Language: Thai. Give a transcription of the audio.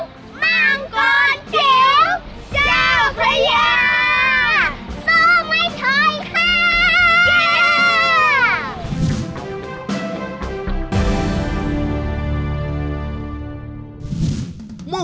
มังกรจิ๋วเจ้าพระยาสู้ไม่ใช่ค่า